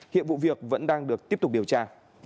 hiện vụ việc vẫn đang được tiếp tục điều tra